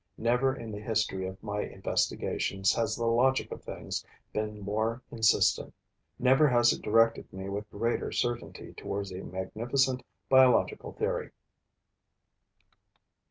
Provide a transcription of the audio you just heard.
Never in the history of my investigations has the logic of things been more insistent; never has it directed me with greater certainty towards a magnificent biological theory.